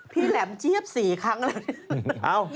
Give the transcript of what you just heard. แหลมเจี๊ยบ๔ครั้งเลย